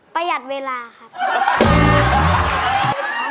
ประหยัดเวลาครับ